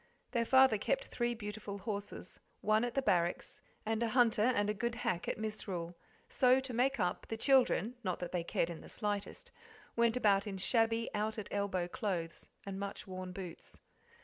Their father kept three beautiful horses, one at he barracks and a hunter and a good hack at Misrule; so, to make up, the children not that they cared in the slightest went about in shabby, out at elbow clothes, and much worn boots.